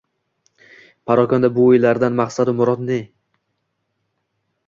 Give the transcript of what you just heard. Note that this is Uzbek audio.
Parokanda bu o’ylardan maqsadu murod ne?